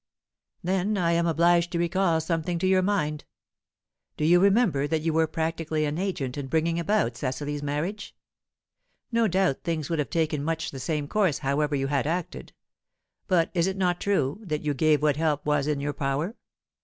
"Then I am obliged to recall something to your mind. Do you remember that you were practically an agent in bringing about Cecily's marriage? No doubt things would have taken much the same course, however you had acted. But is it not true that you gave what help was in your power?